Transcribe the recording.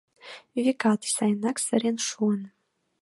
Векат, сайынак сырен шуын.